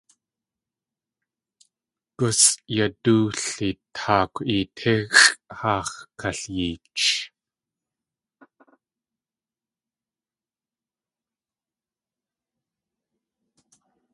Gusʼyadóoli taakw.eetíxʼ haax̲ kalyeech.